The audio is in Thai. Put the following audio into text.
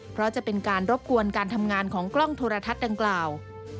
เพราะจะเป็นการรบกวนการทำงานของกล้องโทรทัศน์ดังกล่าว